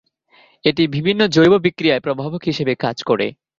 এটি বিভিন্ন জৈব বিক্রিয়ায় প্রভাবক হিসেবে কাজ করে।